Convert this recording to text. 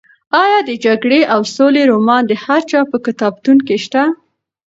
ایا د جګړې او سولې رومان د هر چا په کتابتون کې شته؟